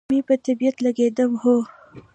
مې په طبیعت لګېده، هو.